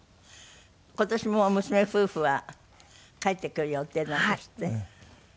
今年も娘夫婦は帰ってくる予定なんですって？